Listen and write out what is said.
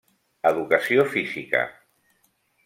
Educació física.